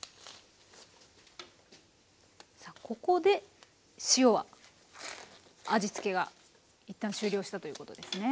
さあここで塩は味付けが一旦終了したということですね。